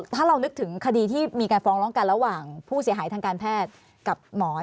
ถ้าเรานึกถึงคดีที่มีการฟ้องร้องกันระหว่างผู้เสียหายทางการแพทย์กับหมอ